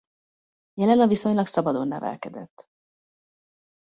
Jelena viszonylag szabadon nevelkedett.